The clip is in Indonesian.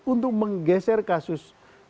untuk menggeser kasus